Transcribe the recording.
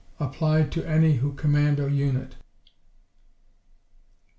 Applied to any who command a unit.